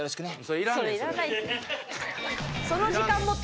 それいらないって。